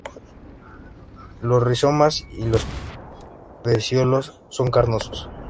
Los rizomas y los pecíolos son carnosos.